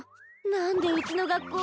何でうちの学校